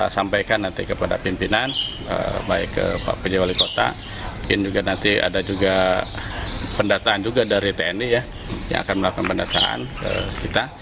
sampaikan nanti kepada pimpinan baik ke pak pj wali kota mungkin juga nanti ada juga pendataan juga dari tni yang akan melakukan pendataan kita